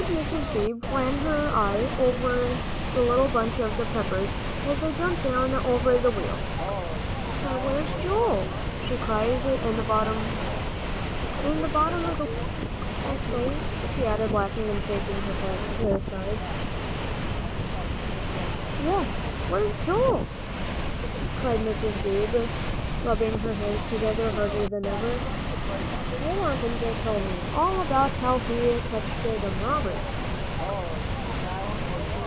Good Mrs. Beebe ran her eye over the little bunch of Peppers as they jumped down over the wheel. "Why, where's Joel?" she cried. "In the bottom o' th' wagon, I s'pose," she added, laughing and shaking her fat sides. "Yes, where's Joel?" cried Mr. Beebe, rubbing his hands together harder than ever. "I want him to tell me all about how he ketched them robbers."